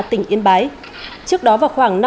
tỉnh yên bái trước đó vào khoảng